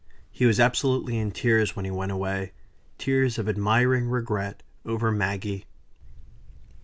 He was absolutely in tears when he went away tears of admiring regret over Maggie.